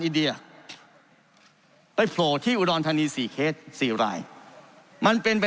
อินเดียไปโผล่ที่อุดรธานีสี่เคสสี่รายมันเป็นไป